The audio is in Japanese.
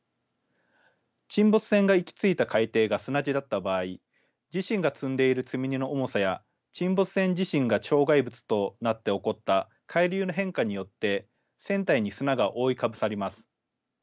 沈没船が行き着いた海底が砂地だった場合自身が積んでいる積み荷の重さや沈没船自身が障害物となって起こった海流の変化によって船体に砂が覆いかぶさります。